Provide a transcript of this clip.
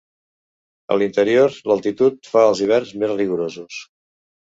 A l'interior, l'altitud fa els hiverns més rigorosos.